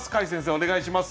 お願いします。